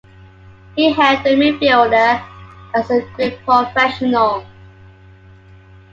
He hailed the midfielder as a great professional.